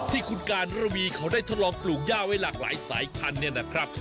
ที่คุณการระวีเขาได้ทดลองปลูกย่าไว้หลากหลายสายพันธุ์เนี่ยนะครับ